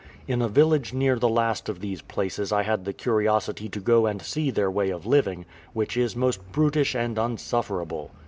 In a village near the last of these places I had the curiosity to go and see their way of living, which is most brutish and unsufferable.